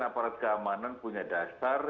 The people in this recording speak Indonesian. aparat keamanan punya dasar